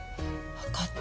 分かった。